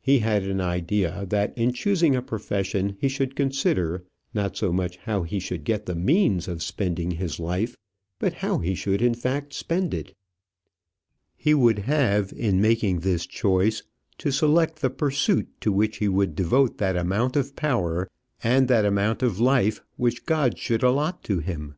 He had an idea that in choosing a profession he should consider, not so much how he should get the means of spending his life, but how he should in fact spend it. He would have, in making this choice, to select the pursuit to which he would devote that amount of power and that amount of life which God should allot to him.